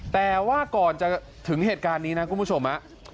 แต่ว่าก่อนจะถึงเหตุการณ์นี้นะคุณผู้ชม